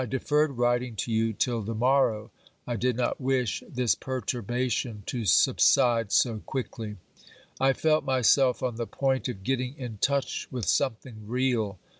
I deferred writing to you till the morrow ; I did not wish this perturbation to subside so quickly. I felt myself on the point of getting in touch with something real.